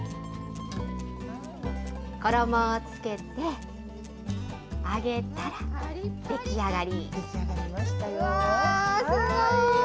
衣をつけて、揚げたら出来上がり。